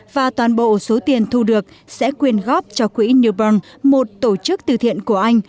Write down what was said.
và toàn bộ số tiền thu được sẽ quyền góp cho quỹ new bron một tổ chức từ thiện của anh